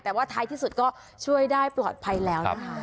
แต่ว่าท้ายที่สุดก็ช่วยได้ปลอดภัยแล้วนะคะ